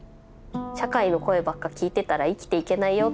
「社会の声ばっか聞いてたら生きていけないよ」